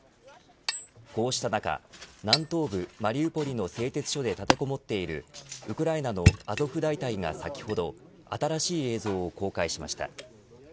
こうした中南東部マリウポリの製鉄所で立てこもっているウクライナのアゾフ大隊が、先ほど新しい映像を公開しました。